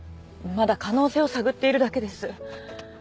まだ可能性を探っているだけです。